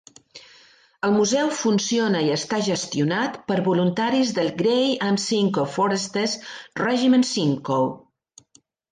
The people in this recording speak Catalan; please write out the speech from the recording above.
El museu funciona i està gestionat per voluntaris del Grey and Simcoe Foresters Regiment Simcoe.